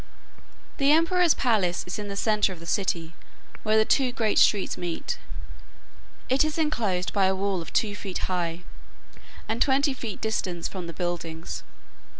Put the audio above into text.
The emperor's palace is in the centre of the city where the two great streets meet. It is enclosed by a wall of two feet high, and twenty feet distance from the buildings.